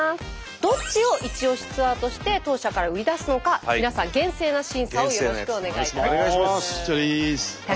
どっちをイチオシツアーとして当社から売り出すのか皆さん厳正な審査をよろしくお願いいたします。